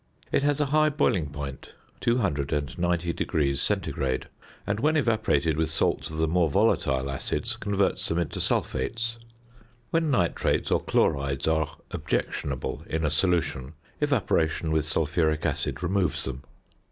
It has a high boiling point, 290° C., and, when evaporated with salts of the more volatile acids, converts them into sulphates. When nitrates or chlorides are objectionable in a solution, evaporation with sulphuric acid removes them.